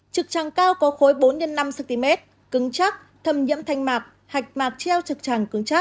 trực tràng cao có khối bốn năm cm cứng chắc thâm nhiễm thanh mạc hạch mạc treo trực tràng cứng chắc